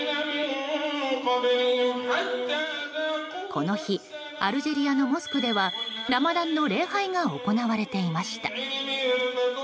この日アルジェリアのモスクではラマダンの礼拝が行われていました。